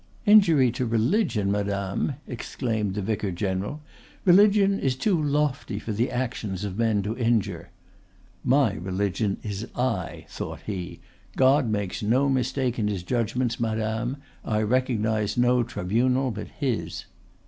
"Injury to religion, madame!" exclaimed the vicar general. "Religion is too lofty for the actions of men to injure." ("My religion is I," thought he.) "God makes no mistake in His judgments, madame; I recognize no tribunal but His."